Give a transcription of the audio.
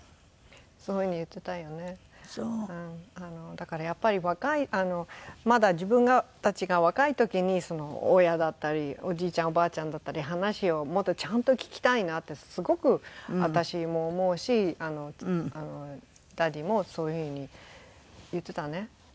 だからやっぱり若いまだ自分たちが若い時に親だったりおじいちゃんおばあちゃんだったり話をもっとちゃんと聞きたいなってすごく私も思うしダディもそういう風に言ってたね。